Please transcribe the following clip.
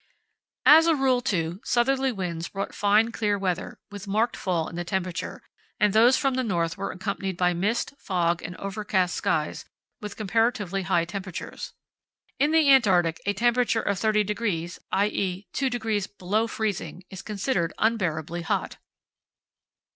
As a rule, too, southerly winds brought fine clear weather, with marked fall in the temperature, and those from the north were accompanied by mist, fog, and overcast skies, with comparatively high temperatures. In the Antarctic a temperature of 30°, i.e. 2° below freezing, is considered unbearably hot.